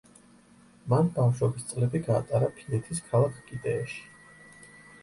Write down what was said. მან ბავშვობის წლები გაატარა ფინეთის ქალაქ კიტეეში.